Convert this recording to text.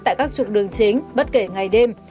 tại các trụng đường chính bất kể ngày đêm